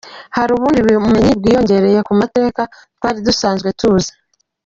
Hari ubundi bumenyi bwiyongereye ku mateka twari dusanzwe tuzi.